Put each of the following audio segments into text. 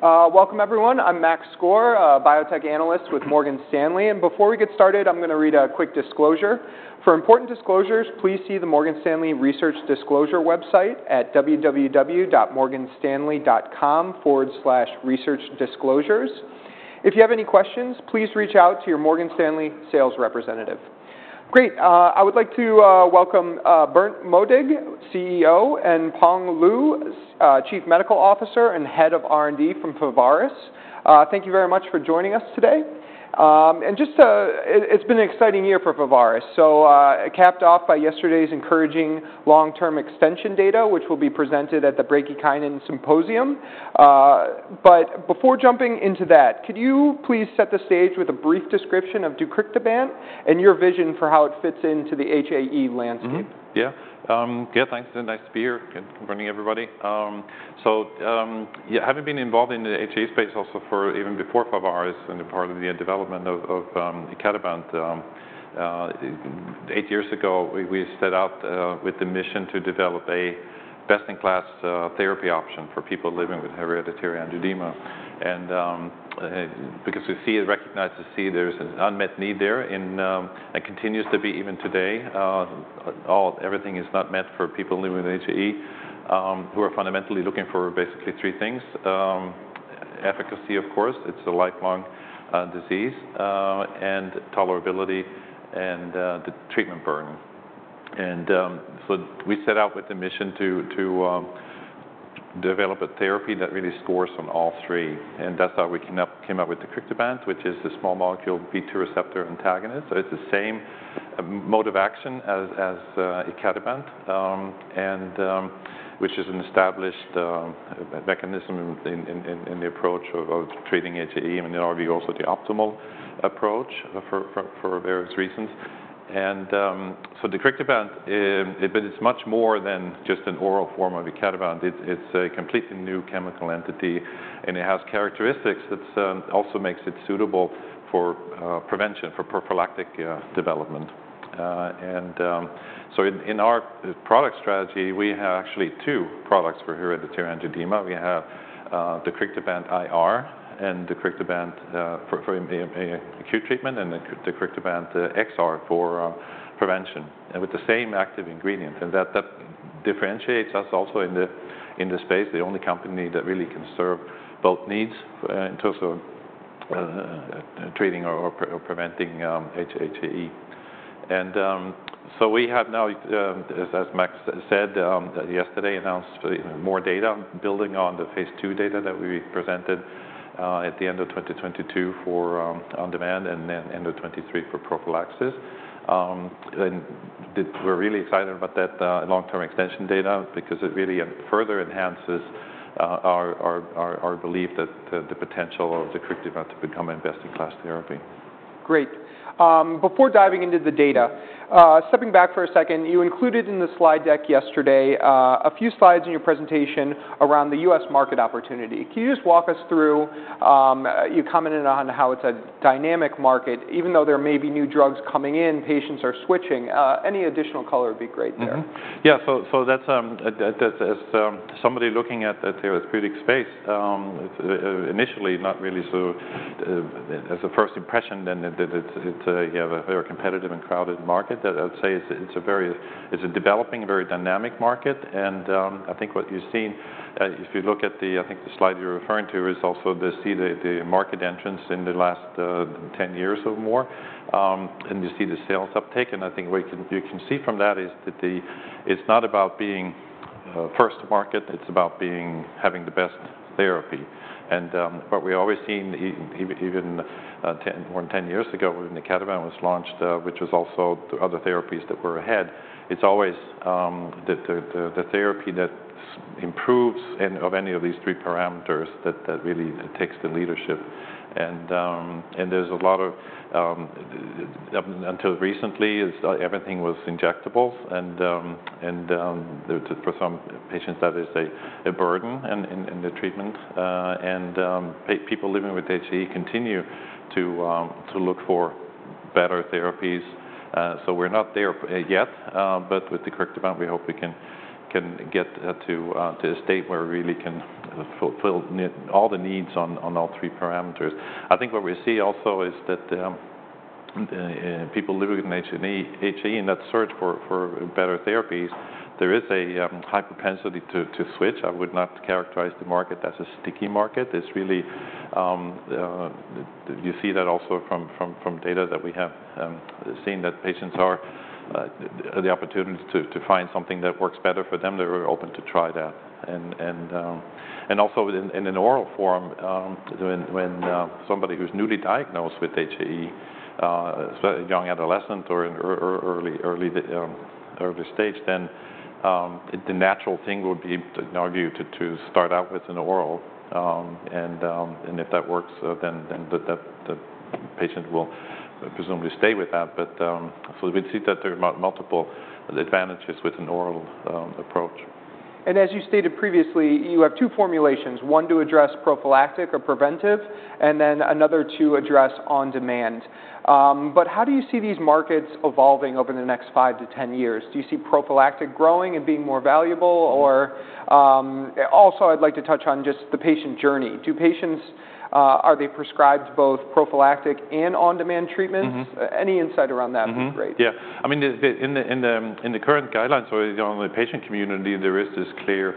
Great! Welcome, everyone. I'm Max Skor, a biotech analyst with Morgan Stanley. Before we get started, I'm gonna read a quick disclosure. For important disclosures, please see the Morgan Stanley Research Disclosure website at www.morganstanley.com/researchdisclosures. If you have any questions, please reach out to your Morgan Stanley sales representative. Great, I would like to welcome Berndt Modig, CEO, and Peng Lu, Chief Medical Officer and Head of R&D from Pharvaris. Thank you very much for joining us today. It's been an exciting year for Pharvaris, capped off by yesterday's encouraging long-term extension data, which will be presented at the Bradykinin Symposium. Before jumping into that, could you please set the stage with a brief description of deucrictibant and your vision for how it fits into the HAE landscape? Yeah, thanks, and nice to be here, and good morning, everybody. Yeah, having been involved in the HAE space also for even before Pharvaris, and a part of the development of, of icatibant, eight years ago, we set out with the mission to develop a best-in-class therapy option for people living with hereditary angioedema. And, because we see and recognize, we see there's an unmet need there, and it continues to be even today. All- everything is not meant for people living with HAE, who are fundamentally looking for basically three things: efficacy, of course, it's a lifelong disease, and tolerability, and the treatment burden. We set out with the mission to develop a therapy that really scores on all three, and that's how we came up with deucrictibant, which is a small molecule B2 receptor antagonist. It is the same mode of action as icatibant, which is an established mechanism in the approach of treating HAE, and in our view, also the optimal approach for various reasons. deucrictibant is much more than just an oral form of icatibant. It is a completely new chemical entity, and it has characteristics that also make it suitable for prevention, for prophylactic development. In our product strategy, we have actually two products for hereditary angioedema. We have deucrictibant IR and deucrictibant for acute treatment, and then deucrictibant XR for prevention, with the same active ingredient. That differentiates us also in the space, the only company that really can serve both needs in terms of treating or preventing HAE. As Max said, yesterday, announced more data building on the phase II data that we presented at the end of 2022 for on-demand, and then end of 2023 for prophylaxis. We are really excited about that long-term extension data because it really further enhances our belief that the potential of deucrictibant to become a best-in-class therapy. Great. Before diving into the data stepping back for a second, you included in the slide deck yesterday, a few slides in your presentation around the U.S. market opportunity. Can you just walk us through, you commented on how it's a dynamic market. Even though there may be new drugs coming in, patients are switching. Any additional color would be great there. Yeah, so that's, as somebody looking at the therapeutic space, initially, not really so, as a first impression, then it's a very competitive and crowded market. I would say it's a developing, very dynamic market, and I think what you've seen, if you look at the, I think the slide you're referring to, is also the, see the market entrants in the last 10 years or more, and you see the sales uptake. I think what you can see from that is that it's not about being first to market, it's about having the best therapy. What we've always seen, even 10, more than 10 years ago, when the icatibant was launched, which was also other therapies that were ahead, it's always the therapy that improves in any of these three parameters that really takes the leadership. There's a lot of until recently, everything was injectables, and for some patients, that is a burden in the treatment. People living with HAE continue to look for better therapies. We're not there yet, but with deucrictibant, we hope we can get to a state where we really can fulfill all the needs on all three parameters. I think what we see also is that people living with HAE, HAE, in that search for better therapies, there is a high propensity to switch. I would not characterize the market as a sticky market. It's really, you see that also from data that we have seen, that patients are the opportunity to find something that works better for them, they're very open to try that. Also in an oral form, when somebody who's newly diagnosed with HAE, young adolescent or in early, early stage, then the natural thing would be, to argue, to start out with an oral. If that works, then the patient will presumably stay with that. We see that there are multiple advantages with an oral approach. As you stated previously, you have two formulations, one to address prophylactic or preventive, and then another to address on-demand. How do you see these markets evolving over the next five to 10 years? Do you see prophylactic growing and being more valuable? Also, I'd like to touch on just the patient journey. Do patients, are they prescribed both prophylactic and on-demand treatments? Any insight around that would be great. Yeah. I mean, in the current guidelines or the only patient community, there is this clear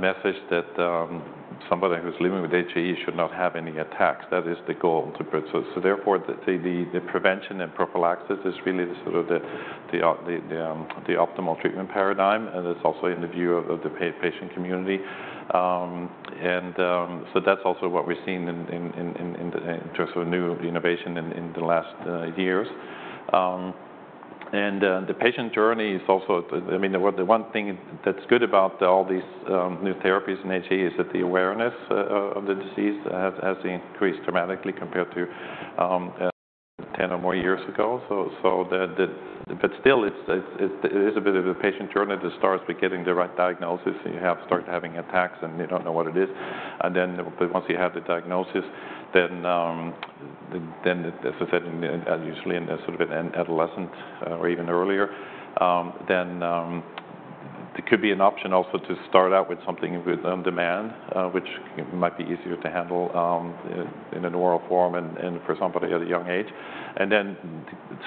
message that somebody who's living with HAE should not have any attacks. That is the goal to put. Therefore, the prevention and prophylaxis is really the sort of the optimal treatment paradigm, and it's also in the view of the patient community. That's also what we've seen in terms of new innovation in the last years. The patient journey is also. I mean, the one thing that's good about all these new therapies in HAE is that the awareness of the disease has increased dramatically compared to 10 or more years ago. It is a bit of a patient journey. That starts with getting the right diagnosis, and you start having attacks, and you do not know what it is. Once you have the diagnosis, usually in a sort of an adolescent or even earlier, it could be an option also to start out with something with on-demand, which might be easier to handle in an oral form and for somebody at a young age. Then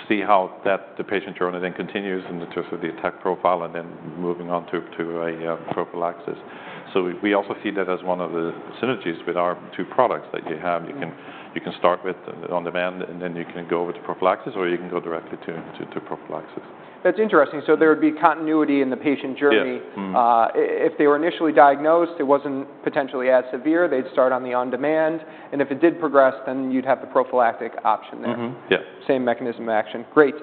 see how that patient journey continues in terms of the attack profile and then moving on to a prophylaxis. We also see that as one of the synergies with our two products that you have. You can start with on-demand, and then you can go over to prophylaxis, or you can go directly to prophylaxis. That's interesting. There would be continuity in the patient journey. Yes. If they were initially diagnosed, it wasn't potentially as severe, they'd start on the on-demand, and if it did progress, then you'd have the prophylactic option there. Yeah. Same mechanism of action. Great.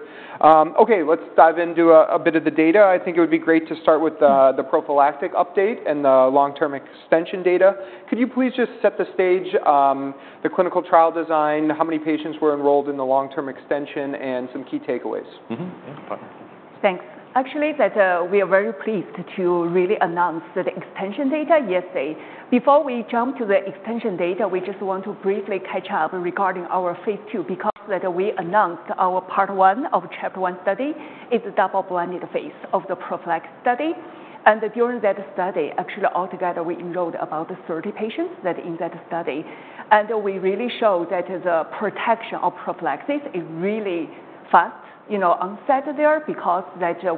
Okay, let's dive into a bit of the data. I think it would be great to start with the prophylactic update and the long-term extension data. Could you please just set the stage, the clinical trial design, how many patients were enrolled in the long-term extension, and some key takeaways? Yeah, fine. Thanks. Actually, we are very pleased to really announce the extension data yesterday. Before we jump to the extension data, we just want to briefly catch up regarding our phase II, because we announced our part one of CHAPTER-1 study. It's a double-blinded phase of the prophylactic study. During that study, actually, altogether, we enrolled about 30 patients in that study. We really show that the protection of prophylaxis is really fast, you know, onset there, because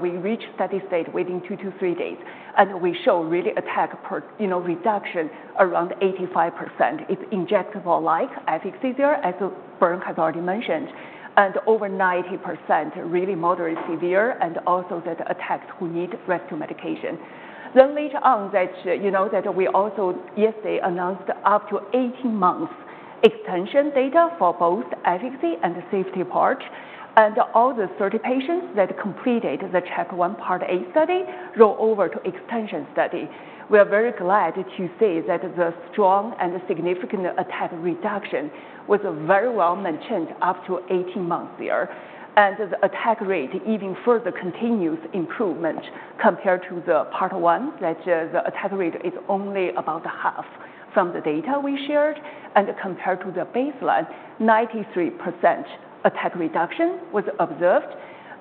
we reach steady state within two to three days, and we show really attack per, you know, reduction around 85%. It's injectable-like efficacy there, as Berndt has already mentioned, and over 90% really moderate, severe, and also that attacks who need rescue medication. Later on, you know, we also yesterday announced up to 18 months extension data for both efficacy and the safety part, and all the 30 patients that completed the CHAPTER-1, part A study, go over to extension study. We are very glad to say that the strong and significant attack reduction was very well maintained up to 18 months there. The attack rate even further continues improvement compared to the part one, that the attack rate is only about half from the data we shared. Compared to the baseline, 93% attack reduction was observed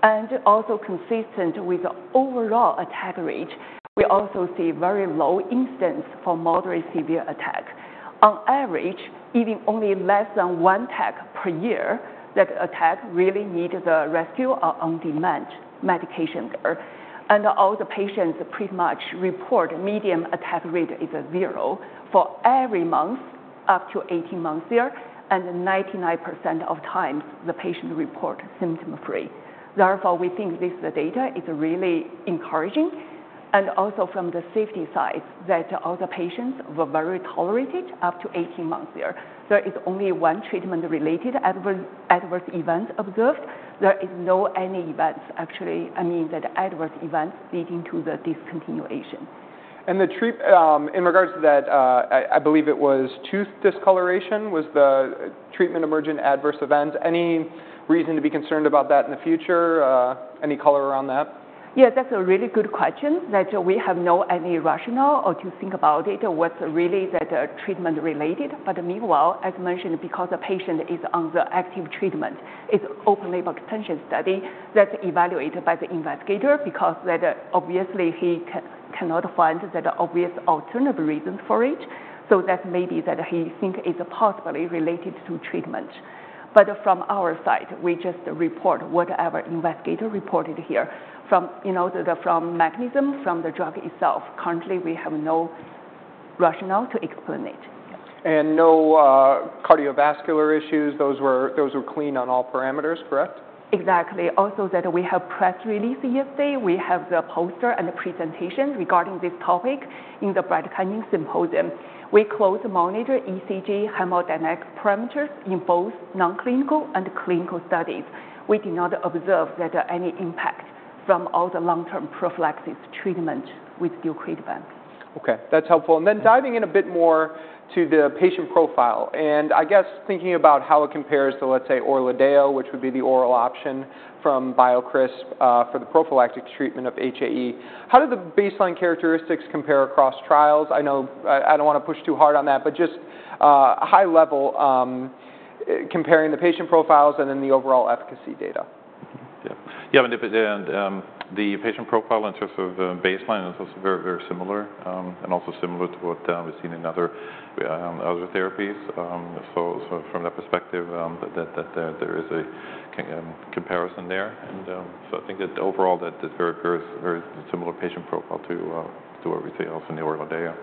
and also consistent with the overall attack rate. We also see very low instance for moderate, severe attack. On average, even only less than one attack per year, that attack really need the rescue or on-demand medication there. All the patients pretty much report medium attack rate is a zero for every month, up to 18 months there, and 99% of times, the patient report symptom-free. Therefore, we think this, the data, is really encouraging and also from the safety side, that all the patients were very tolerated up to 18 months there. There is only one treatment related adverse, adverse event observed. There is no any events, actually, I mean, that adverse events leading to the discontinuation. In regards to that, I believe it was tooth discoloration was the treatment-emergent adverse event. Any reason to be concerned about that in the future? Any color around that? Yeah, that's a really good question. We have no rationale to think about it, what's really treatment related. Meanwhile, as mentioned, because the patient is on the active treatment, it's openly about potential study that's evaluated by the investigator, because obviously he cannot find that obvious alternative reason for it. That may be that he thinks it's possibly related to treatment. From our side, we just report whatever the investigator reported here. From, you know, from mechanism, from the drug itself, currently, we have no rationale to explain it. No, cardiovascular issues, those were clean on all parameters, correct? Exactly. Also, that we have press release yesterday. We have the poster and the presentation regarding this topic in the Bradykinin Symposium. We closely monitor ECG hemodynamic parameters in both non-clinical and clinical studies. We did not observe that any impact from all the long-term prophylactic treatment with deucrictibant. Okay, that's helpful. Diving in a bit more to the patient profile, and I guess thinking about how it compares to, let's say, ORLADEYO, which would be the oral option from BioCryst for the prophylactic treatment of HAE. How did the baseline characteristics compare across trials? I know I don't wanna push too hard on that, but just, high level, comparing the patient profiles and then the overall efficacy data. Yeah, and if it, the patient profile in terms of baseline is also very, very similar, and also similar to what we've seen in other therapies. From that perspective, there is a comparison there. I think that overall the very similar patient profile to everything else in the ORLADEYO.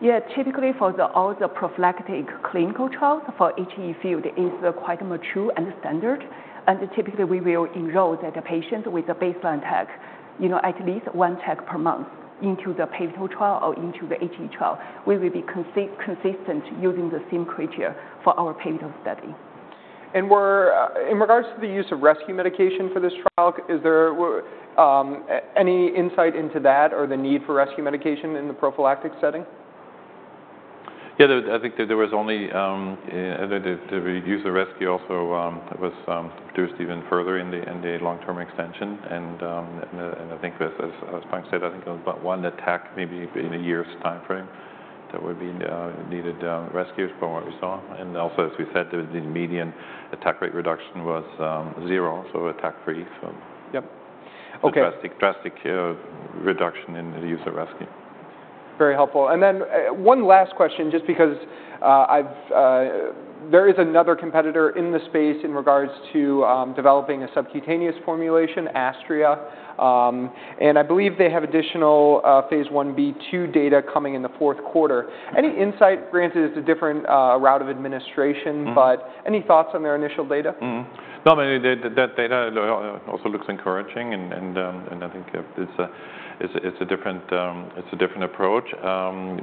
Yeah, typically for all the prophylactic clinical trials, for HAE field is quite mature and standard. Typically, we will enroll the patient with a baseline attack, you know, at least one attack per month into the pivotal trial or into the HAE trial. We will be consistent using the same criteria for our pivotal study. In regards to the use of rescue medication for this trial, is there any insight into that or the need for rescue medication in the prophylactic setting? Yeah, I think that there was only, the use of rescue also was reduced even further in the long-term extension. I think as Peng said, I think about one attack maybe in a year's timeframe that would be needed rescues from what we saw. Also, as we said, the median attack rate reduction was zero, so attack free. Yep. Okay. Drastic, drastic reduction in the use of rescue. Very helpful. And then, one last question, just because I've... There is another competitor in the space in regards to developing a subcutaneous formulation, Astria, and I believe they have additional phase I-B/II data coming in the fourth quarter. Any insight, granted, it's a different, route of administration Any thoughts on their initial data? No, I mean, that data also looks encouraging, and I think it's a different, it's a different approach.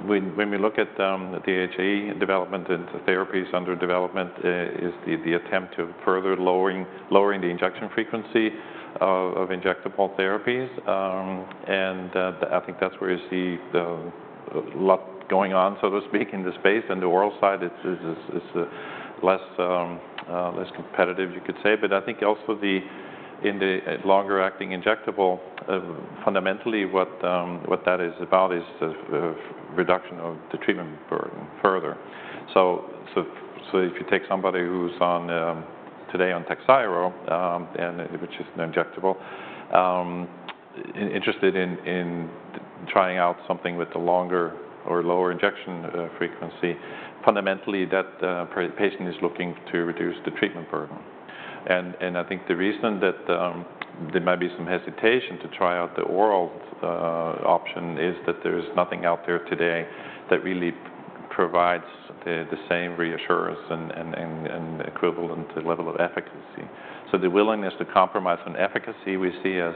When we look at the HAE development and therapies under development, is the attempt to further lowering, lowering the injection frequency of injectable therapies. I think that's where you see a lot going on, so to speak, in the space and the oral side, it's less, less competitive, you could say. I think also in the longer-acting injectable, fundamentally, what that is about is the reduction of the treatment burden further. If you take somebody who's on Takhzyro, which is an injectable, interested in trying out something with a longer or lower injection frequency, fundamentally, that patient is looking to reduce the treatment burden. I think the reason that there might be some hesitation to try out the oral option is that there's nothing out there today that really provides the same reassurance and equivalent level of efficacy. The willingness to compromise on efficacy, we see as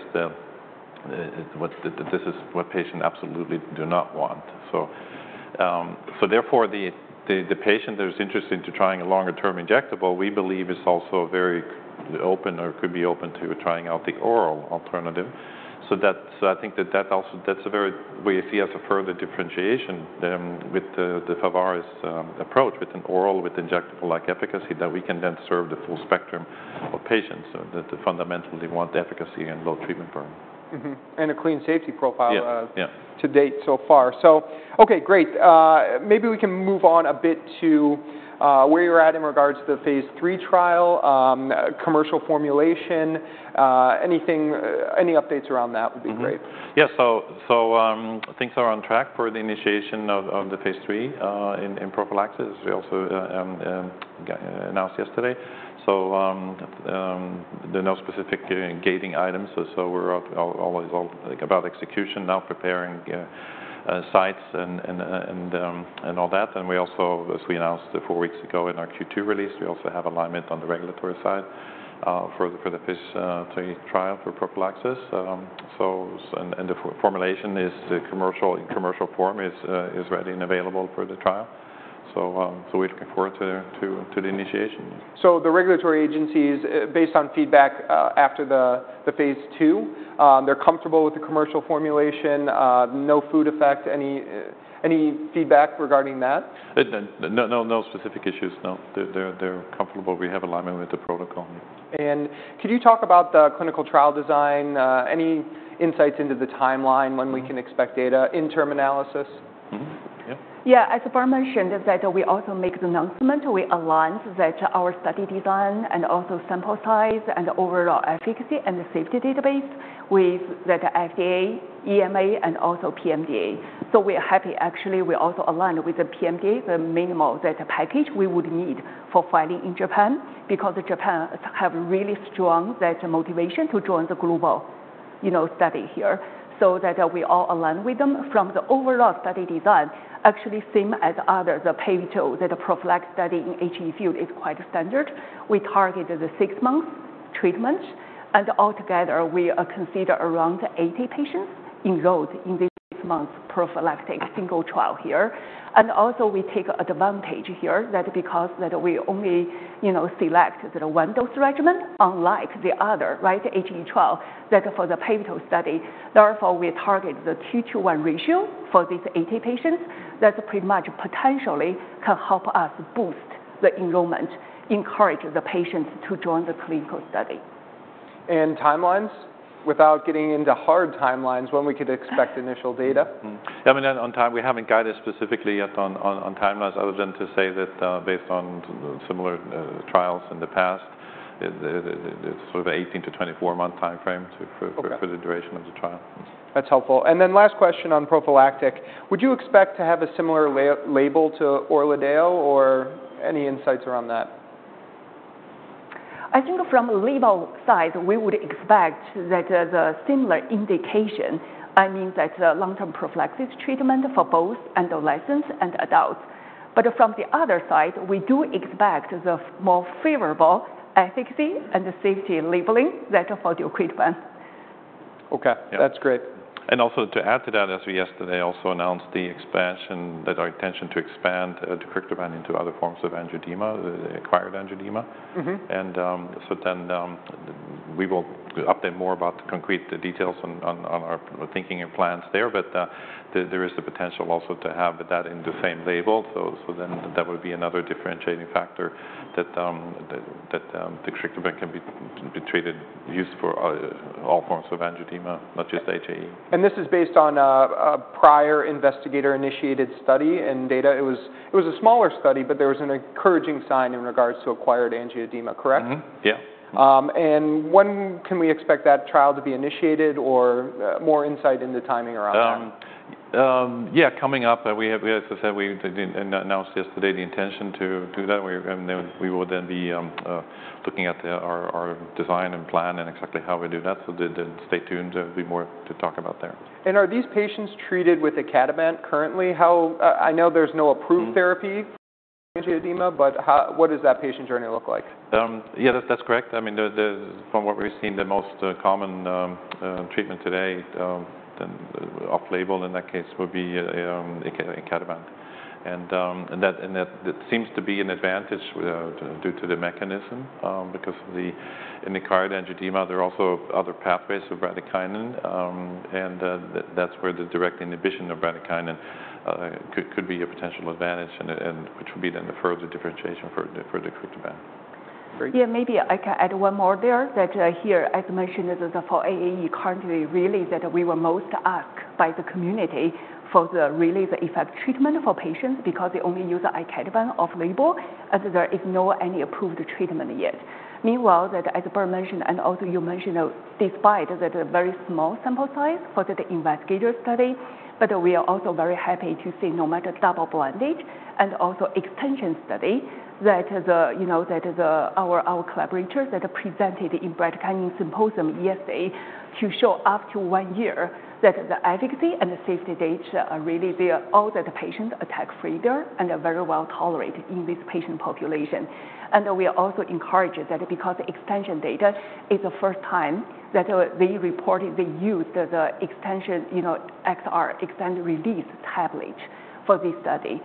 what this is what patients absolutely do not want. Therefore, the patient that is interested in trying a longer-term injectable, we believe, is also very open or could be open to trying out the oral alternative. I think that also, that's a very, we see as a further differentiation, with the Pharvaris approach, with an oral, with injectable-like efficacy, that we can then serve the full spectrum of patients, so that they fundamentally want efficacy and low treatment burden. And a clean safety profile. Yeah, yeah... to date so far. Okay, great. Maybe we can move on a bit to where you're at in regards to the phase III trial, commercial formulation. Anything, any updates around that would be great. Yeah, so, things are on track for the initiation of the phase III in prophylaxis, we also announced yesterday. There are no specific gating items, so we're always all about execution now, preparing sites and all that. We also, as we announced four weeks ago in our Q2 release, have alignment on the regulatory side for the phase III trial for prophylaxis. The formulation is the commercial form, is ready and available for the trial. We're looking forward to the initiation. The regulatory agencies, based on feedback after the phase II, they're comfortable with the commercial formulation, no food effect. Any feedback regarding that? No, no specific issues, no. They're, they're comfortable. We have alignment with the protocol. Could you talk about the clinical trial design? Any insights into the timeline, when we can expect data, interim analysis? Yeah. Yeah, as far mentioned, is that we also make the announcement. We announced that our study design and also sample size and overall efficacy and the safety database with the FDA, EMA, and also PMDA. We are happy. Actually, we also aligned with the PMDA, the minimal data package we would need for filing in Japan, because Japan have really strong data motivation to join the global, you know, study here. We all align with them from the overall study design, actually same as others, the pivotal, that the prophylactic study in HAE field is quite standard. We targeted the six months treatment, and altogether, we, you know, consider around 80 patients enrolled in this six months prophylactic single trial here. We also take advantage here that because we only, you know, select the one dose regimen, unlike the other, right, HAE trial, that for the pivotal study. Therefore, we target the two to one ratio for these 80 patients. That pretty much potentially can help us boost the enrollment, encourage the patients to join the clinical study. Timelines? Without getting into hard timelines, when we could expect initial data. I mean, on time, we haven't guided specifically yet on, on, on timelines, other than to say that, based on similar trials in the past it's sort of 18 to 24 month timeframe. Okay... for the duration of the trial. That's helpful. Then last question on prophylactic: Would you expect to have a similar label to ORLADEYO, or any insights around that? I think from label side, we would expect that the similar indication, I mean, that long-term prophylactic treatment for both adolescents and adults. From the other side, we do expect the more favorable efficacy and the safety labeling that for the icatibant. Okay. Yeah. That's great. Also, to add to that, as we yesterday also announced the expansion, that our intention to expand icatibant into other forms of angioedema, the acquired angioedema. We will update more about the concrete details on our thinking and plans there, but there is the potential also to have that in the same label. That would be another differentiating factor that the icatibant can be treated, used for all forms of angioedema, not just HAE. This is based on a prior investigator-initiated study and data. It was a smaller study, but there was an encouraging sign in regards to acquired angioedema, correct? Yeah. And when can we expect that trial to be initiated, or more insight into timing around that? Yeah, coming up, we have, as I said, we did announce yesterday the intention to do that, and we will then be looking at the our design and plan and exactly how we do that. Stay tuned. There'll be more to talk about there. Are these patients treated with icatibant currently? I know there's no approved-therapy for angioedema, but how, what does that patient journey look like? Yeah, that, that's correct. I mean, the, the, from what we've seen, the most, common, treatment today, then off-label in that case, would be, icatibant. And, that, and that seems to be an advantage, due to the mechanism, because of the, in the acquired angioedema, there are also other pathways of bradykinin, and that, that's where the direct inhibition of bradykinin, could, could be a potential advantage, and, which would be then the further differentiation for the, for the icatibant. Great. Yeah, maybe I can add one more there, that, here, as mentioned, for HAE currently, really, that we were most asked by the community for the really the effect treatment for patients because they only use icatibant off-label, as there is no any approved treatment yet. Meanwhile, that as Berndt mentioned, and also you mentioned, despite that a very small sample size for the investigator study, but we are also very happy to see, no matter double-blind it, and also extension study, that, you know, that, our collaborators that are presented in Bradykinin Symposium yesterday to show up to one year that the efficacy and the safety data are really there. All the patients attack-free there and are very well tolerated in this patient population. We are also encouraged that because extension data is the first time that, you know, we reported the use of the extension, you know, XR, extended release tablet for this study.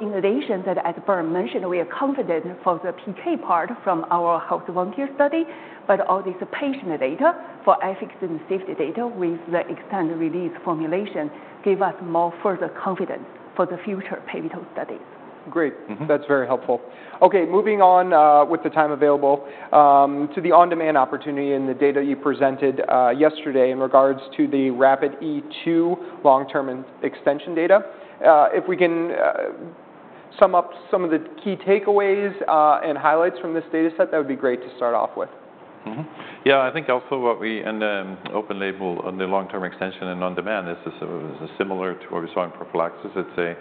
In addition, as Berndt mentioned, we are confident for the PK part from our healthy volunteer study, but all this patient data for efficacy and safety data with the extended-release formulation give us more further confidence for the future pivotal studies. Great. That's very helpful. Okay, moving on, with the time available, to the on-demand opportunity and the data you presented yesterday in regards to the RAPIDe-2 long-term extension data. If we can, sum up some of the key takeaways and highlights from this data set, that would be great to start off with. Yeah, I think also what we... and, open label on the long-term extension and on demand is a, similar to what we saw in prophylaxis. It's a,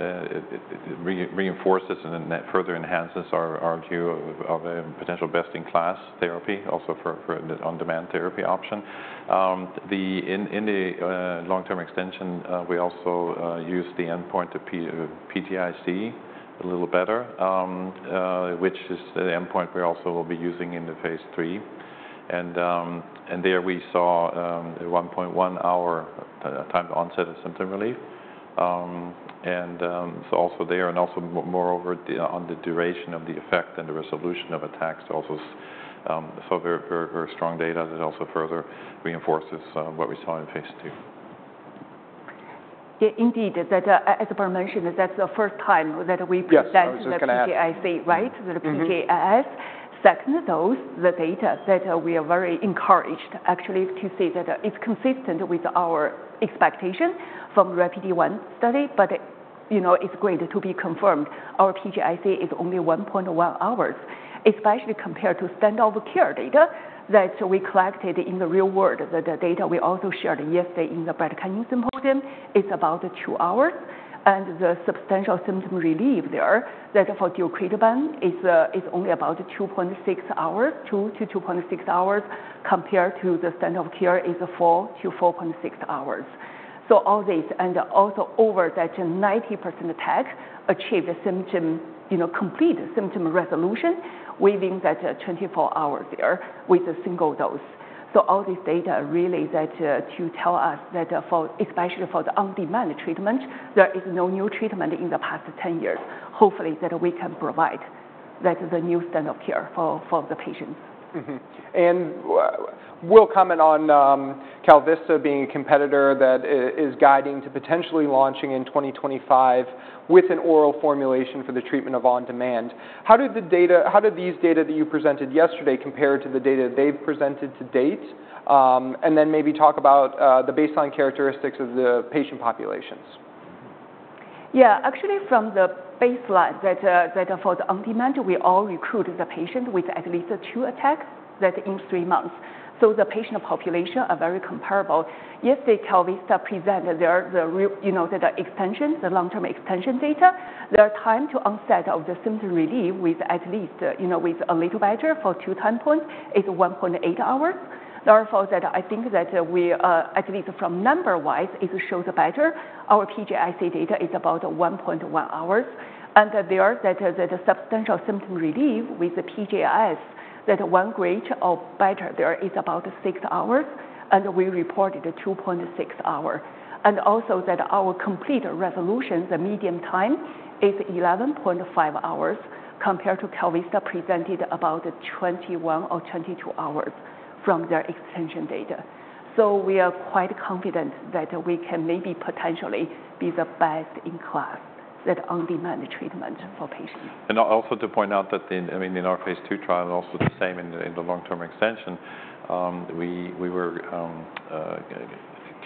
it reinforces and then further enhances our, our view of, of a potential best-in-class therapy, also for, for an on-demand therapy option. In the, in the long-term extension, we also use the endpoint of PGIC a little better, which is the endpoint we also will be using in the phase III. There we saw a 1.1 hour time to onset of symptom relief. Also there, and moreover, on the duration of the effect and the resolution of attacks also very strong data that also further reinforces what we saw in phase II. Yeah, indeed, that, as Berndt mentioned, that's the first time that we— Yes. I was just gonna add. ...PGIC, right? The PGIC. Second, those, the data that we are very encouraged actually to see that it's consistent with our expectation from RAPIDe-1 study, but, you know, it's going to be confirmed. Our PGIC is only one point one hours, especially compared to standard of care data that we collected in the real world. The data we also shared yesterday in the Bradykinin Symposium is about two hours, and the substantial symptom relief there, that for the icatibant is, is only about 2.6 hours, two to 2.6 hours, compared to the standard of care is a four to 4.6 hours. All this, and also over that 90% attack achieve the symptom, you know, complete symptom resolution within that 24 hours there with a single dose. All this data really, to tell us that, for, especially for the on-demand treatment, there is no new treatment in the past 10 years. Hopefully, that we can provide that as a new standard of care for the patients. We'll comment on, KalVista being a competitor that is guiding to potentially launching in 2025 with an oral formulation for the treatment of on-demand. How did the data-How did these data that you presented yesterday compare to the data they've presented to date? Maybe talk about, the baseline characteristics of the patient populations. Yeah. Actually, from the baseline that, that for the on-demand, we all recruit the patient with at least two attacks in three months. So the patient population are very comparable. Yes, KalVista presented their, you know, the extension, the long-term extension data. Their time to onset of the symptom relief with at least, you know, with a little better for two time points is 1.8 hours. Therefore, that I think that, we, at least from number wise, it shows better. Our PGIC data is about 1.1 hours, and there is that, that a substantial symptom relief with the PGIS, that one grade or better there is about six hours, and we reported a 2.6 hour. Also, that our complete resolution, the median time, is 11.5 hours, compared to KalVista, presented about 21 or 22 hours from their extension data. We are quite confident that we can maybe potentially be the best in class, that on-demand treatment for patients. Also to point out that in, I mean, in our phase two trial, and also the same in the long-term extension, we were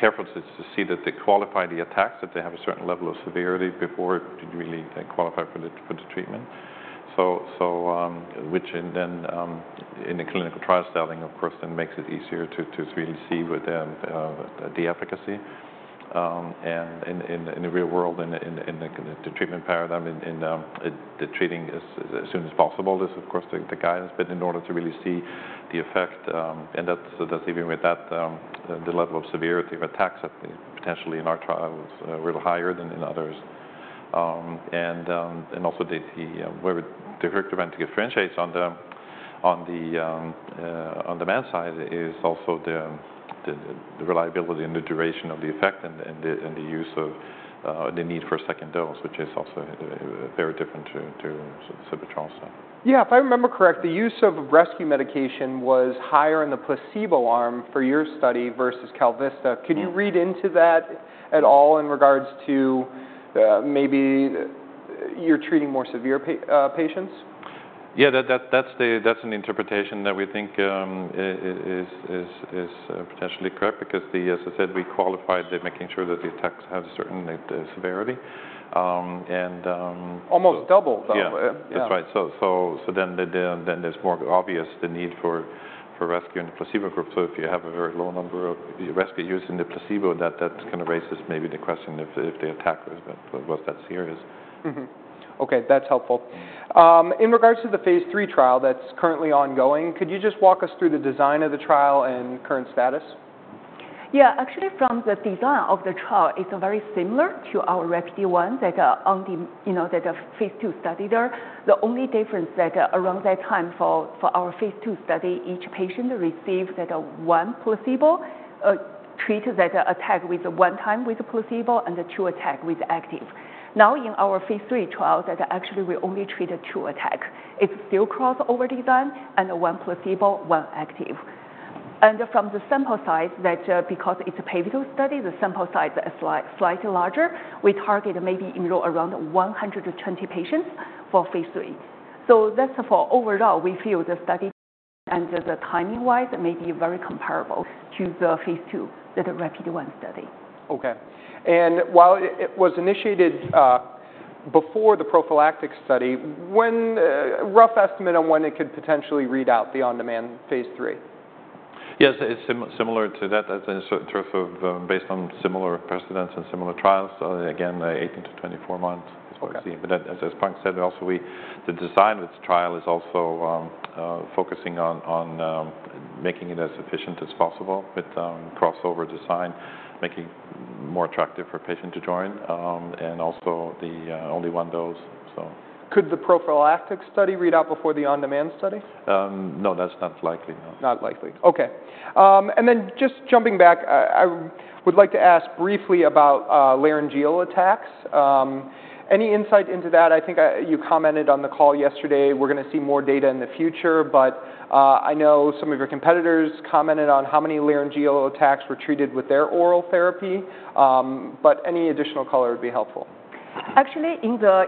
careful to see that they qualify the attacks, that they have a certain level of severity before it really qualify for the treatment. Which and then, in the clinical trial setting, of course, then makes it easier to really see with them the efficacy. In the real world, in the treatment paradigm, treating as soon as possible is, of course, the guidance. In order to really see the effect, that's even with that, the level of severity of attacks that potentially in our trial was a little higher than in others. Also, where deucrictibant differentiates on the on-demand side is the reliability and the duration of the effect and the use of, the need for a second dose, which is also very different to sebetralstat. Yeah. If I remember correct, the use of rescue medication was higher in the placebo arm for your study versus KalVista. Could you read into that at all in regards to, maybe you're treating more severe pa, patients? Yeah. That's an interpretation that we think is potentially correct. Because, as I said, we qualified it, making sure that the attacks have a certain severity, and, Almost double, though. Yeah. That's right. So then there's more obvious the need for rescue in the placebo group. If you have a very low number of rescue use in the placebo, that kind of raises maybe the question if the attack was that serious. Okay, that's helpful. In regards to the phase III trial that's currently ongoing, could you just walk us through the design of the trial and current status? Yeah. Actually, from the design of the trial, it's very similar to our RAPIDe-1, that, you know, that phase two study there. The only difference that, around that time for our phase II study, each patient received one placebo, treated as an attack one time with the placebo and two attacks with active. Now, in our phase III trial, we only treated two attacks. It's still cross-over design and one placebo, one active. From the sample size, because it's a pivotal study, the sample size is slightly larger. We target maybe enroll around 120 patients for phase III. For overall, we feel the study and the timing-wise may be very comparable to the phase II, the RAPIDe-1 study. Okay. While it was initiated before the prophylactic study, when, rough estimate on when it could potentially read out the on-demand phase III? Yes, it's similar to that, in terms of, based on similar precedents and similar trials. 18 to 24 months is what I've seen. Okay. As Frank said, also the design of this trial is also focusing on making it as efficient as possible with crossover design, making more attractive for patient to join. Also the only one dose, so. Could the prophylactic study read out before the on-demand study? No, that's not likely, no. Not likely. Okay, and then just jumping back, I would like to ask briefly about laryngeal attacks. Any insight into that? I think you commented on the call yesterday, we're gonna see more data in the future. I know some of your competitors commented on how many laryngeal attacks were treated with their oral therapy. Any additional color would be helpful. Actually in the,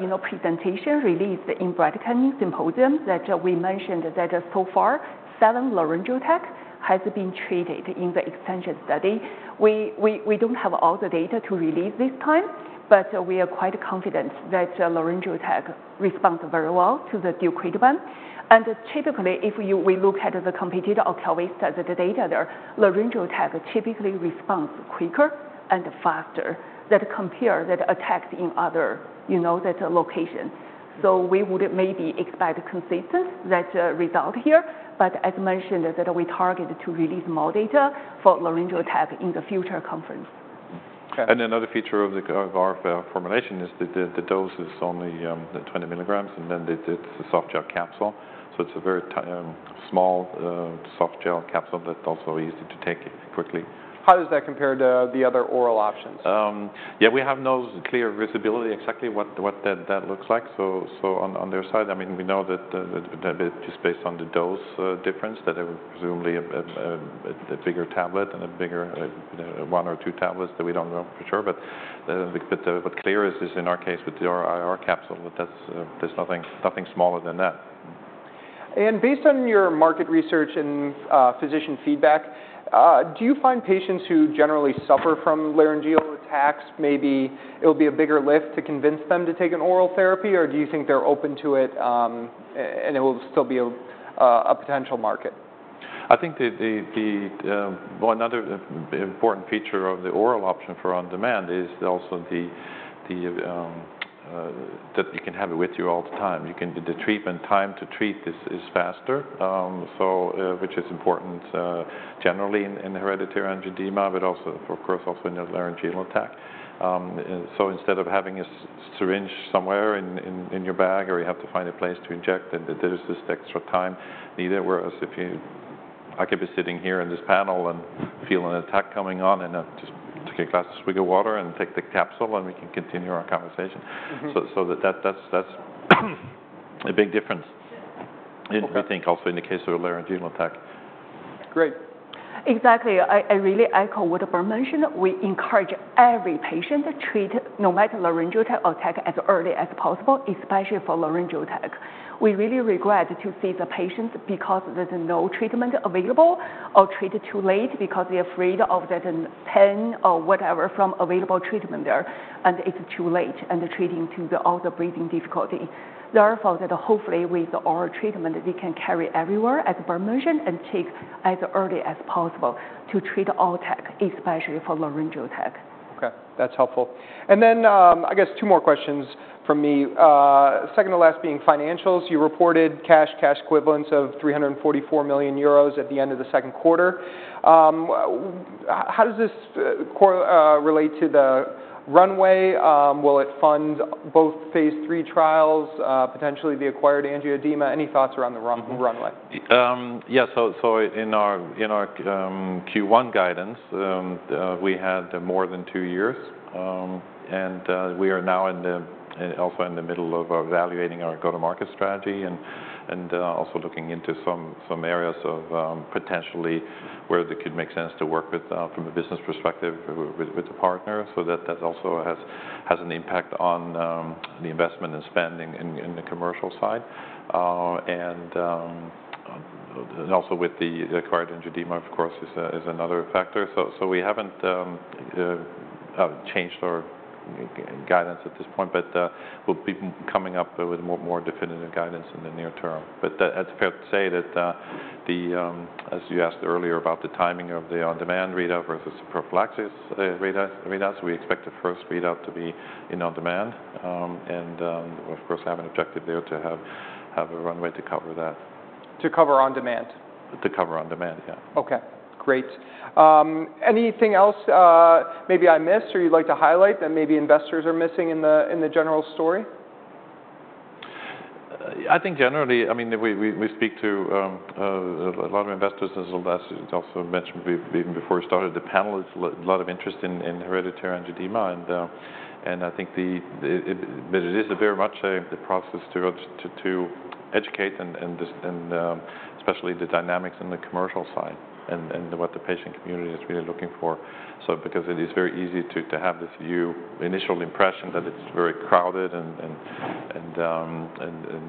you know, presentation released in Bradykinin Symposium, that we mentioned that so far, seven laryngeal attacks has been treated in the extension study. We, we don't have all the data to release this time, but we are quite confident that laryngeal attack responds very well to the deucrictibant. And typically, if you, we look at the competitor or KalVista, the data there, laryngeal type typically responds quicker and faster than compare that attack in other, you know, that location. We would maybe expect consistent that, uh, result here, but as mentioned, that we targeted to release more data for laryngeal attack in the future conference. Another feature of our formulation is that the dose is only 20 milligrams, and then it's a softgel capsule. It is a very small softgel capsule that's also easy to take quickly. How does that compare to the other oral options? Yeah, we have no clear visibility exactly what that looks like. On their side, I mean, we know that it is based on the dose difference, that it would presumably be a bigger tablet and a bigger, one or two tablets that we do not know for sure. What is clear is, in our case, with our capsule, that there is nothing smaller than that. Based on your market research and physician feedback, do you find patients who generally suffer from laryngeal attacks, maybe it'll be a bigger lift to convince them to take an oral therapy? Or do you think they're open to it, and it will still be a potential market? I think the, the, the... Another important feature of the oral option for on-demand is also the, the, that you can have it with you all the time. You can... The treatment time to treat is, is faster, which is important, generally in, in hereditary angioedema, but also, of course, also in a laryngeal attack. Instead of having a syringe somewhere in your bag, or you have to find a place to inject, and there is this extra time needed, whereas if you-- I could be sitting here in this panel and feel an attack coming on, and I just take a glass, a swig of water and take the capsule, and we can continue our conversation. That's a big difference. Okay... we think also in the case of a laryngeal attack. Great. Exactly. I really echo what Berndt mentioned. We encourage every patient to treat, no matter laryngeal attack, as early as possible, especially for laryngeal attack. We really regret to see the patients because there's no treatment available or treated too late because they're afraid of that pain or whatever from available treatment there, and it's too late, and the treating to the all the breathing difficulty. Therefore, that hopefully with the oral treatment, that we can carry everywhere, as Berndt mentioned, and take as early as possible to treat all attack, especially for laryngeal attack. Okay, that's helpful. I guess two more questions from me, second to last being financials. You reported cash, cash equivalents of 344 million euros at the end of the second quarter. How does this quarter relate to the runway? Will it fund both phase III trials, potentially the acquired angioedema? Any thoughts around the runway? Yeah. So in our Q1 guidance, we had more than two years. We are now also in the middle of evaluating our go-to-market strategy and also looking into some areas of potentially where it could make sense to work with, from a business perspective, with a partner. That also has an impact on the investment and spending in the commercial side. Also, with the acquired angioedema, of course, is another factor. We haven't changed our guidance at this point, but we'll be coming up with more definitive guidance in the near term. It's fair to say that, as you asked earlier about the timing of the on-demand readout versus the prophylaxis readouts, we expect the first readout to be in on-demand. Of course, have an objective there to have a runway to cover that. To cover on-demand? To cover on-demand, yeah. Okay, great. Anything else, maybe I missed or you'd like to highlight that maybe investors are missing in the, in the general story? I think generally, I mean, we speak to a lot of investors, as Alastair also mentioned even before we started the panel, there's a lot of interest in hereditary angioedema. I think it is very much a process to educate, especially the dynamics in the commercial side and what the patient community is really looking for. It is very easy to have this view, initial impression that it's very crowded and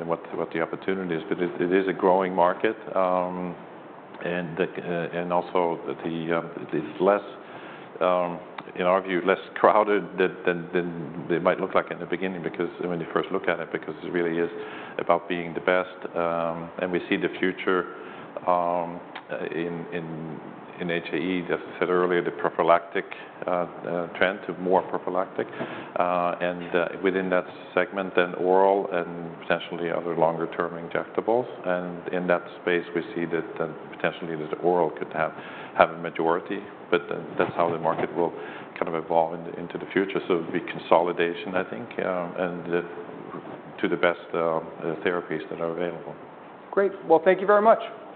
what the opportunity is. It is a growing market, and also in our view, less crowded than it might look like in the beginning. Because when you first look at it, because it really is about being the best, and we see the future in HAE, as I said earlier, the prophylactic trend to more prophylactic. Within that segment, then oral and potentially other longer-term injectables. In that space, we see that potentially the oral could have a majority, but that's how the market will kind of evolve into the future. It will be consolidation, I think, and the best therapies that are available. Great. Thank you very much.